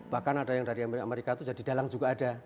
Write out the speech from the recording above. bahkan ada yang dari amerika itu jadi dalang juga ada